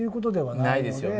ないですよね。